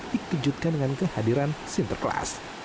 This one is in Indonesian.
dikejutkan dengan kehadiran sinterklaas